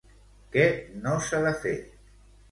Què no s'ha de fer?